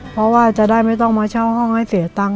เพราะว่าจะได้ไม่ต้องมาเช่าห้องให้เสียตังค์